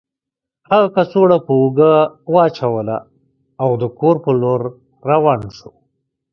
هغه کڅوړه په اوږه واچوله او د کور په لور روان شو